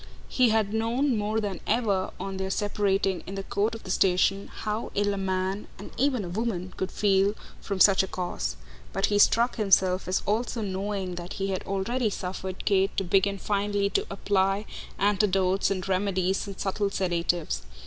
He had known more than ever, on their separating in the court of the station, how ill a man, and even a woman, could feel from such a cause; but he struck himself as also knowing that he had already suffered Kate to begin finely to apply antidotes and remedies and subtle sedatives.